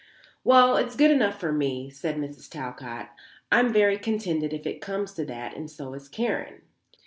"Well, it's good enough for me," said Mrs. Talcott. "I'm very contented if it comes to that; and so is Karen.